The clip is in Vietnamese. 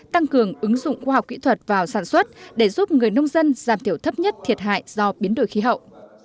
tăng cường ứng dụng khoa học kỹ thuật vào sản xuất để giúp người nông dân giảm thiểu thấp nhất thiệt hại do biến đổi khí hậu